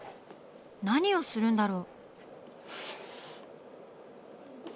何をするんだろう？